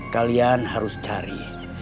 kalian harus cari